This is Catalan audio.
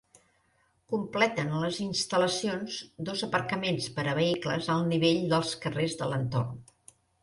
Completen les instal·lacions dos aparcaments per a vehicles al nivell dels carrers de l'entorn.